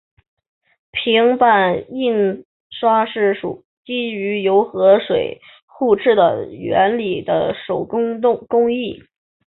平版印刷是基于油和水互斥的原理的手动工艺。